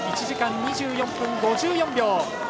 １時間２４分５４秒。